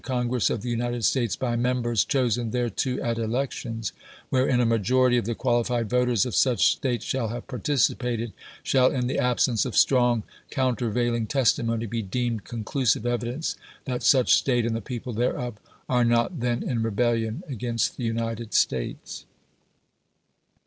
Congress of the United States by members chosen thereto at elections, wherein a majority of the qnalified voters of such State shall have participated, shall, in the absence of strong countervailing testimony, be deemed conclusive evidence that such State, and the people thereof, are not then in rebelhon against the United States.